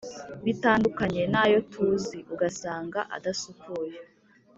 bitandukanye nayo tuzi ugasanga adasukuye.